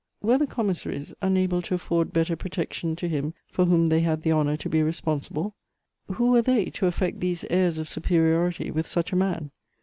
Were the commissaries unable to afford better protection to him for whom they had the honour to be responsible? Who were they, to affect these airs of superiority with such a man?